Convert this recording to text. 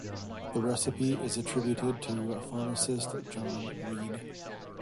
This recipe is attributed to pharmacist John Reed.